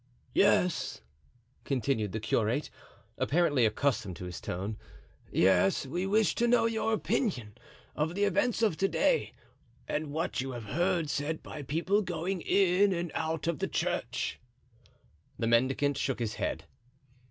"Yes," continued the curate, apparently accustomed to this tone, "yes, we wish to know your opinion of the events of to day and what you have heard said by people going in and out of the church." The mendicant shook his head.